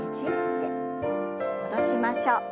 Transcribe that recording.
戻しましょう。